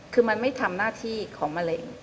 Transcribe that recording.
คือมันไม่ทำหน้าที่ของมะเร็ง